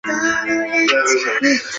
首府利沃夫。